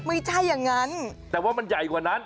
ไม่ใช่อย่างนั้นแต่ว่ามันใหญ่กว่านั้น